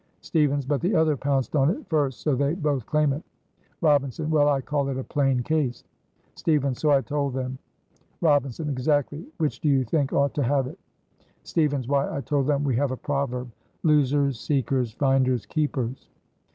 Stevens. "But the other pounced on it first, so they both claim it." Robinson. "Well! I call it a plain case." Stevens. "So I told them." Robinson. "Exactly! Which do you think ought to have it?" Stevens. "Why, I told them we have a proverb 'Losers, seekers finders, keepers.'"